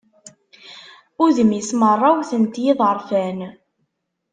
Udem-is merra wwten-t yiḍerfan.